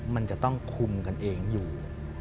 มันจะต้องคุมกันเองอยู่